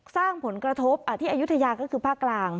สร้างผลกระทบที่อายุทยาก็คือภาคกลาง